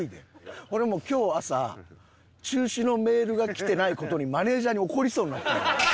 俺もう今日朝中止のメールがきてない事にマネジャーに怒りそうになったんよ。